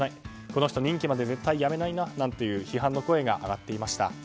この人、任期まで絶対辞めないなと批判の声が上がっていました。